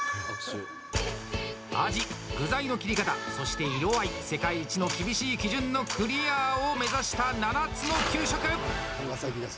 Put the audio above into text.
味、具材の切り方、そして色合い世界一の厳しい基準のクリアを目指した７つの給食！